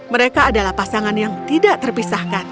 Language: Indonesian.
mereka adalah pasangan yang tidak terpisahkan